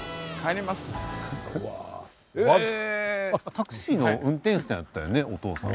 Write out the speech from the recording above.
タクシーの運転手さんやったんやねお父さん。